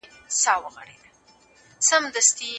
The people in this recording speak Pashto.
په دغه وخت کي خلک ډېر مصروف دي.